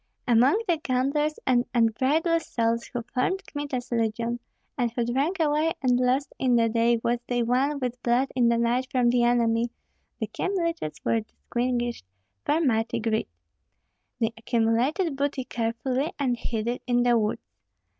Among the gamblers and unbridled souls who formed Kmita's legion, and who drank away and lost in the day what they won with blood in the night from the enemy, the Kyemliches were distinguished for mighty greed. They accumulated booty carefully, and hid it in the woods.